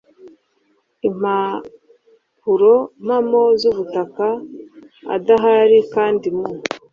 impapurompamo z ubutaka adahari kandi mu